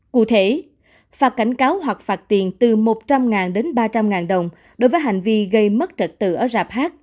cụ thể phạt cảnh cáo hoặc phạt tiền từ một trăm linh đến ba trăm linh đồng đối với hành vi gây mất trật tự ở rạp h